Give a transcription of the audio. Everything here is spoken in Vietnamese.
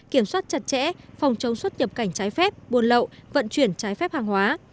kiểm soát chặt chẽ phòng chống xuất nhập cảnh trái phép buôn lậu vận chuyển trái phép hàng hóa